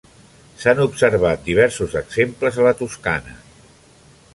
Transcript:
S'han observat diversos exemples a la Toscana.